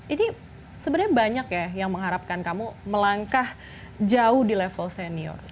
ini sebenarnya banyak ya yang mengharapkan kamu melangkah jauh di level senior